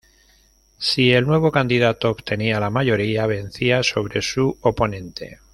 Si el nuevo candidato obtenía la mayoría, vencía sobre su oponente.